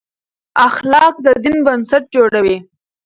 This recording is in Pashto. اخلاق د دین بنسټ جوړوي.